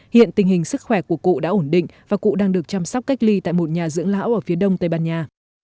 hiện tình hình sức khỏe của cụ đã ổn định và cụ đang được chăm sóc cách ly tại một nhà dưỡng lão ở phía đông tây ban nha